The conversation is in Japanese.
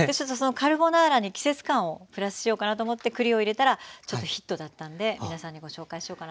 カルボナーラに季節感をプラスしようかなと思って栗を入れたらちょっとヒットだったんで皆さんにご紹介しようかなと思います。